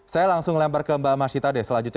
saya langsung lempar ke mbak mas itade selanjutnya